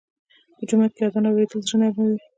په جومات کې اذان اورېدل زړه نرموي.